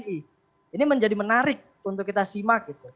ini menjadi menarik untuk kita simak gitu